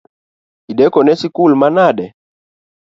Idekone sikul manade?